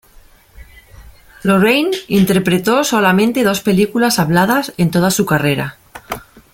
Lorraine interpretó solamente dos películas habladas en toda su carrera.